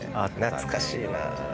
懐かしいな！